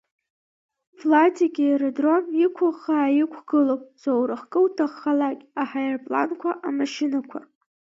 Владик иерадром иқәыӷӷаа иқәгылоуп, зоурахкы уҭаххалак аҳаирпланқәа, амашьынақәа.